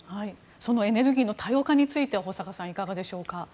そのエネルギーの多様化については保坂さん、いかがでしょうか。